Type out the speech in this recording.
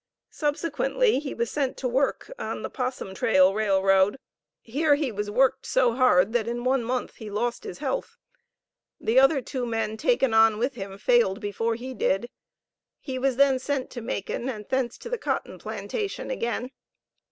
Subsequently he was sent to work on the Possum Tail Railroad. Here he was worked so hard, that in one month he lost his health. The other two men taken on with him, failed before he did. He was then sent to Macon, and thence to the cotton plantation again.